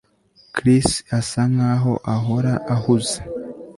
Chris asa nkaho ahora ahuze